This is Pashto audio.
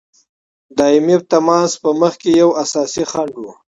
دایمي تماس په مخکي یو اساسي خنډ وو.